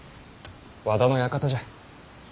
和田の館じゃ。